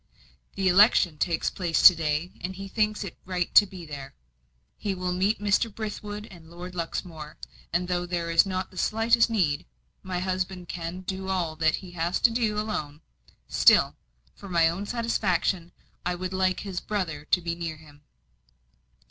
"The election takes place to day, and he thinks it right to be there. He will meet Mr. Brithwood and Lord Luxmore; and though there is not the slightest need my husband can do all that he has to do alone still, for my own satisfaction, I would like his brother to be near him."